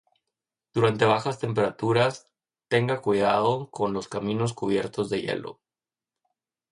Durante bajas temperaturas, tenga cuidado con los caminos cubiertos de hielo.